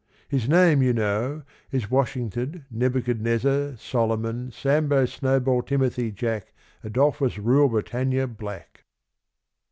His name, you know, is Washington Neb u chad nez zar Solomon Sambo Snowball Timothy Jack Adolphus Rule Britannia Black.